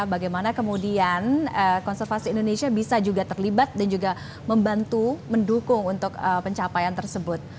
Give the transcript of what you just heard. bagaimana kemudian konservasi indonesia bisa juga terlibat dan juga membantu mendukung untuk pencapaian tersebut